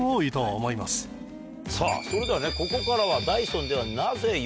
さぁそれではここからは。